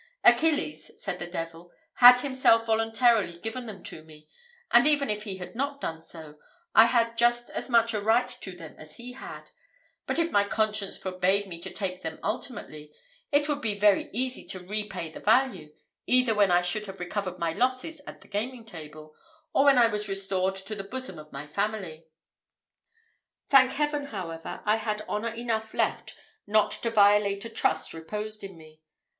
"Achilles," said the devil, "had himself voluntarily given them to me; and even if he had not done so, I had just as much a right to them as he had but if my conscience forbade me to take them ultimately, it would be very easy to repay the value, either when I should have recovered my losses at the gaming table, or when I was restored to the bosom of my family." Thank Heaven, however, I had honour enough left not to violate a trust reposed in me.